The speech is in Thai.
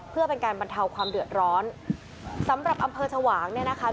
เพื่อเป็นการบรรเทาความเดือดร้อนสำหรับอำเภอชวางเนี่ยนะคะ